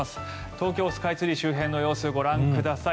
東京スカイツリー周辺の様子ご覧ください。